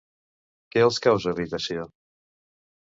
Què els causa irritació?